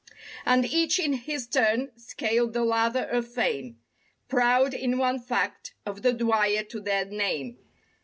And each in his turn scaled the ladder of fame— Proud—in one fact—of the Dwyer to their name.